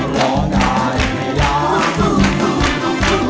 ร้องได้ให้ร้าน